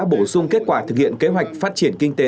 bổ sung kết quả thực hiện kế hoạch phát triển kinh tế